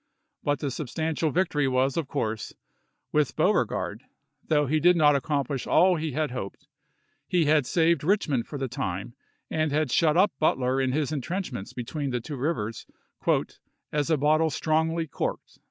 But the substantial \dctory was, of course, with Beauregard, though he did not accomplish all he had hoped. He had saved Richmond for the time and had shut up Butler in his intrenchments between the two rivers " as in a bottle strongly corked."